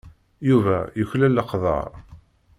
Yuba yuklal leqder.